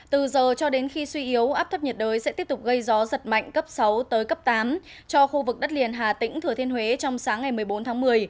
từ giờ cho đến khi suy yếu áp thấp nhiệt đới sẽ tiếp tục gây gió giật mạnh cấp sáu tới cấp tám cho khu vực đất liền hà tĩnh thừa thiên huế trong sáng ngày một mươi bốn tháng một mươi